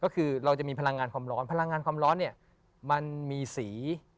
ก็คือเราจะมีพลังงานความร้อนพลังงานความร้อนเนี่ยมันมีสี